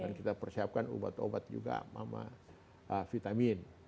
dan kita persiapkan obat obat juga sama vitamin